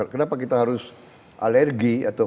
kenapa kita harus alergi atau